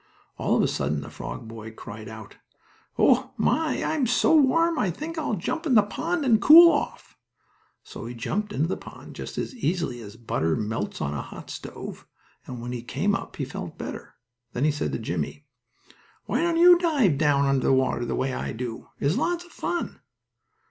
All of a sudden the frog boy cried out: "Oh, my, I'm so warm, I think I'll jump in the pond and cool off." So he jumped into the pond just as easily as butter melts on a hot stove, and when he came up he felt better. Then he said to Jimmie: "Why don't you dive down under the water the way I do? It's lots of fun."